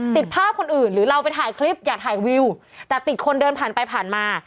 ติดภาพคนอื่นหรือเราไปถ่ายคลิปอยากถ่ายวิวแต่ติดคนเดินผ่านไปผ่านมา